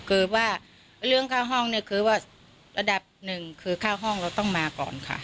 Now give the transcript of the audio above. คือว่าเรื่องค่าห้องเนี่ยคือว่าระดับหนึ่งคือค่าห้องเราต้องมาก่อนค่ะ